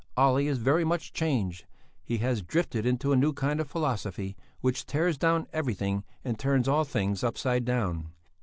Olle is very much changed. He has drifted into a new kind of philosophy, which tears down everything and turns all things upside down.